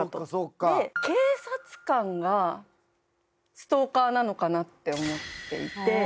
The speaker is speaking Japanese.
で警察官がストーカーなのかなって思っていて。